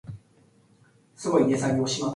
Jay Barclay and Joseph Diamond were the team captains.